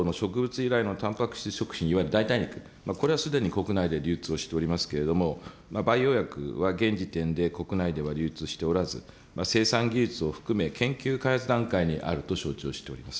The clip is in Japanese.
由来のたんぱく質食品、いわゆる代替肉、これはすでに国内で流通をしておりますけれども、は現時点で国内では流通しておらず、生産技術を含め、研究開発段階にあると承知をしております。